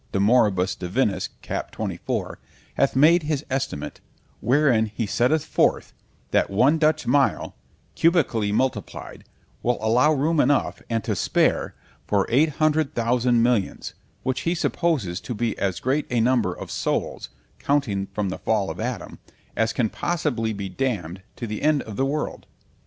de moribus divinis, cap. 24.)_ hath made his estimate, wherein he setteth forth, That one Dutch mile, cubically multiplied, will allow room enough, and to spare, for eight hundred thousand millions, which he supposes to be as great a number of souls (counting from the fall of Adam) as can possibly be damn'd to the end of the world.